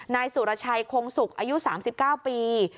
นายสุรชัยคงสุกอายุ๓๙ปี